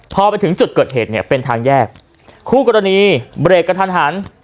พอไปถึงจุดเกิดเหตุเนี่ยเป็นทางแยกคู่กรณีเบรกกระทันหัน